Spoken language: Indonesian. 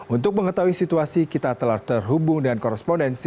untuk mengetahui situasi kita telah terhubung dengan korespondensi